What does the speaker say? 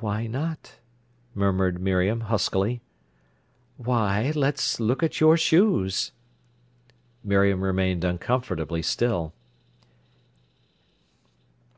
"Why not?" murmured Miriam huskily. "Why, let's look at your shoes." Miriam remained uncomfortably still.